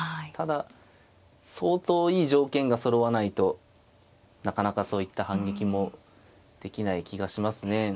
ただ相当いい条件がそろわないとなかなかそういった反撃もできない気がしますね。